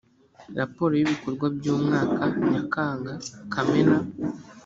raporo y ibikorwa by umwaka nyakanga kamena